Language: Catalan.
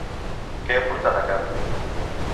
Què ha portat a cap?